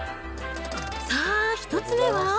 さあ、１つ目は？